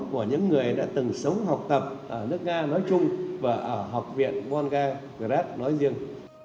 đó là những người đã từng sống học tập ở nước nga nói chung và ở học viện volga grad nói riêng